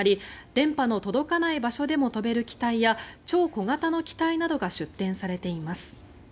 電波の届かない場所でも飛べる機体や超小型の機体などが出展されています。